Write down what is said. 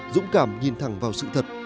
dũng cảm nhìn thẳng vào sự thật